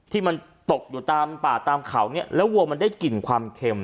ที่มันตกอยู่ตามป่าตามเขาเนี่ยแล้ววัวมันได้กลิ่นความเค็ม